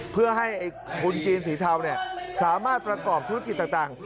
เพื่อให้ทุนจีนสีเทาสามารถประกอบธุรกิจต่าง